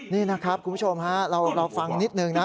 นี่นะครับคุณผู้ชมฮะเราฟังนิดนึงนะ